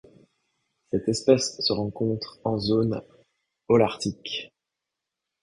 Cette espèce se rencontre en zone holarctique.